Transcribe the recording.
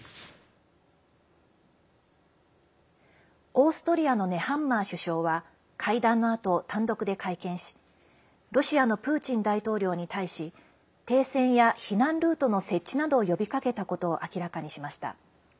オーストリアのネハンマー首相は会談のあと単独で会見しロシアのプーチン大統領に対し停戦や避難ルートの設置などを呼びかけたことを明らかにしました。